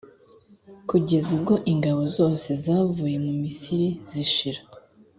kugeza ubwo ingabo zose zavuye mu misiri zishira.